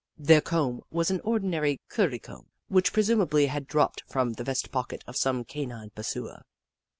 Their comb was an ordinary curry comb, which presumably had dropped from the vest pocket of some canine pursuer.